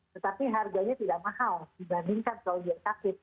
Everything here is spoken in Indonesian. tetapi harganya tidak mahal dibandingkan kalau dia sakit